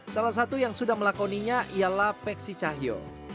salah satu yang sudah melakoninya ialah peksi cahyo